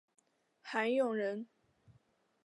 韩永人。